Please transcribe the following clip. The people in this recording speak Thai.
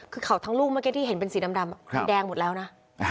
คือเขาทั้งลูกเมื่อกี้ที่เห็นเป็นสีดำแดงหมดแล้วนะ